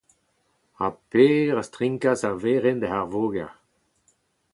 Ha Per a strinkas ar werenn ouzh ar voger.